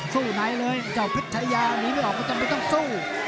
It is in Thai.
สู้ไหนเลยเจ้าพิชยาหนีไม่ออกก็จะไม่ต้องสู้